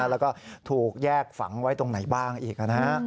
แล้วก็ถูกแยกฝังไว้ตรงไหนบ้างอีกนะฮะ